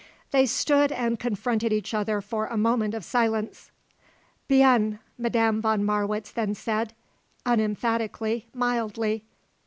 They stood and confronted each other for a moment of silence. "Bien," Madame von Marwitz then said, unemphatically, mildly.